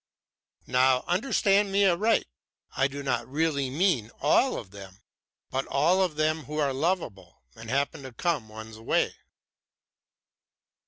"Now understand me aright I do not really mean all of them, but all of them who are lovable and happen to come one's way."